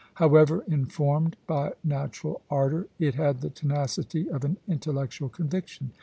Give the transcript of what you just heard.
However informed by natural ardor, it had the tenacity of an intellectual conviction.